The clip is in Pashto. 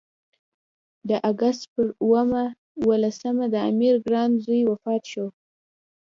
د اګست پر اووه لسمه د امیر ګران زوی وفات شو.